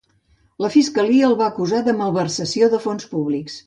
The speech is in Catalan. La Fiscalia el va acusar de malversació de fons públics.